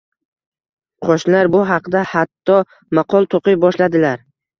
Qo`shnilar bu haqda hatto maqol to`qiy boshladilar